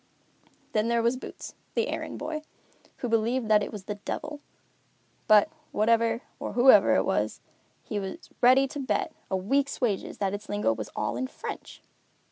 Then there was Boots, the errand boy, who believed that it was the Devil; but, whatever or whoever it was, he was ready to bet a week's wages that its lingo was all in French.